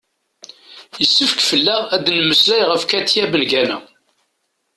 yessefk fell-aɣ ad d-nemmeslay ɣef katia bengana